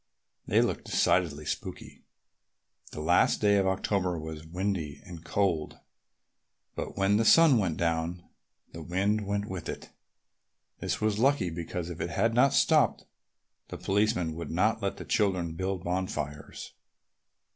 They looked decidedly spooky. The last day of October was windy and cold, but when the sun went down the wind went with it. This was lucky, because if it had not stopped, the policemen would not let the children build bonfires.